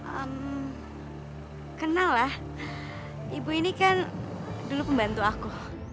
eh kenal lah ibu ini kan dulu pembantu aku